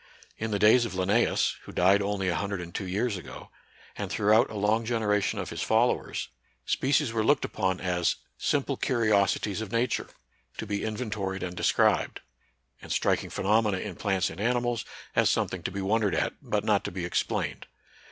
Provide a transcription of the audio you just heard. In the days of Linnseus, who died only a hundred and two years ago, and throughout a long generation of his followers, species were 58 NATURAL SCIENCE AND RELIGION. looked upon as " simple curiosities of Nature," to be inventoried and described; and striking phenomena in plants and animals, as something to be wondered at, but not to be explained.